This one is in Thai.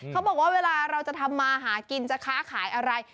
เขาบอกว่าเวลาเราจะทำมาหากินจะค้าขายอะไร